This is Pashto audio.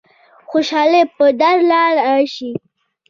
خوشالۍ به درله رايشي.